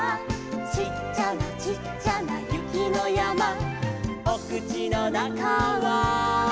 「ちっちゃなちっちゃなゆきのやま」「おくちのなかは」